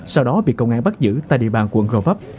sau đó bị công an bắt giữ tại địa bàn quận gò vấp